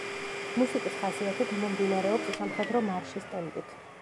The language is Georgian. მუსიკის ხასიათი გამომდინარეობს სამხედრო მარშის ტემპით.